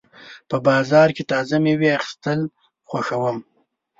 په بازار کې تازه مېوې اخیستل خوښوم.